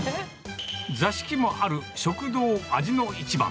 座敷もある食堂、味の一番。